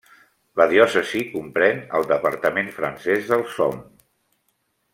La diòcesi comprèn el departament francès del Somme.